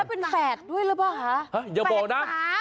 แล้วเป็นแฝดด้วยหรือเปล่า